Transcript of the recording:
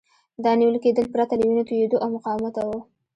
دا نیول کېدل پرته له وینو توېیدو او مقاومته وو.